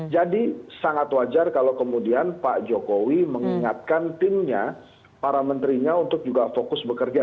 jadi sangat wajar kalau kemudian pak jokowi mengingatkan timnya para menterinya untuk juga fokus bekerja